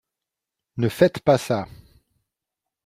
Ne faites pas ça.